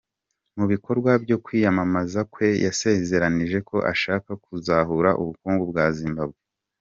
Mu bikorwa byo kwiyamamaza kwe, yasezeranije ko ashaka kuzahura ubukungu bwa Zimbabwe.